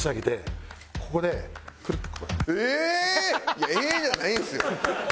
いや「ええー！」じゃないんですよ。